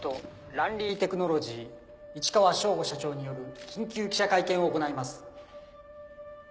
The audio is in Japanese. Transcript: ランリーテクノロジー市川省吾社長による緊急記者会見を行います。